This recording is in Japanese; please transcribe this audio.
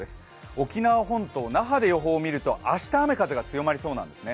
沖縄本島・那覇で予報を見ると、明日雨・風が強まりそうです。